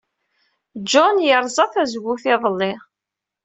John yerẓa tazewwut iḍelli.